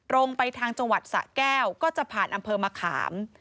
ลงไปทางจังหวัดสะแก้วก็จะผ่านอำเภอมะขาม